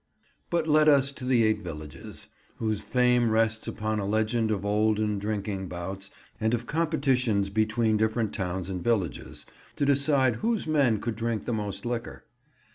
But let us to the Eight Villages, whose fame rests upon a legend of olden drinking bouts and of competitions between different towns and villages, to decide whose men could drink the most liquor.